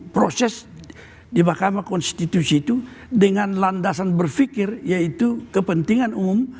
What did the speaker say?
proses di mahkamah konstitusi itu dengan landasan berpikir yaitu kepentingan umum